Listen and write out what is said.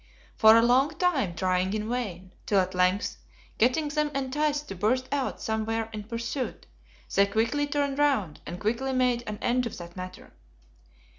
For a long time trying in vain, till at length, getting them enticed to burst out somewhere in pursuit, they quickly turned round, and quickly made an end, of that matter.